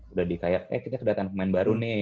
udah dikayak eh kita kedatangan pemain baru nih